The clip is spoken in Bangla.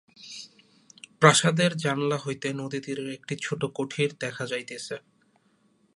প্রাসাদের জানলা হইতে নদীতীরের একটি ছোটো কুটির দেখা যাইতেছে।